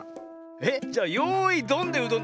えっじゃあ「よいどん」でうどんたべたの？